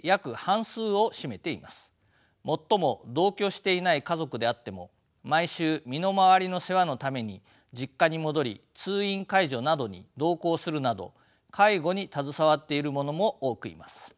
もっとも同居していない家族であっても毎週身の回りの世話のために実家に戻り通院介助などに同行するなど介護に携わっている者も多くいます。